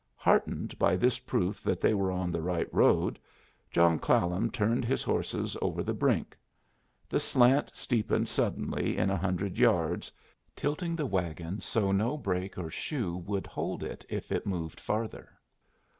Heartened by this proof that they were on the right road, John Clallam turned his horses over the brink. The slant steepened suddenly in a hundred yards, tilting the wagon so no brake or shoe would hold it if it moved farther.